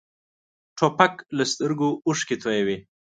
توپک له سترګو اوښکې تویوي.